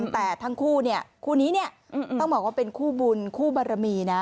แต่ทั้งคู่เนี่ยคู่นี้เนี่ยต้องบอกว่าเป็นคู่บุญคู่บารมีนะ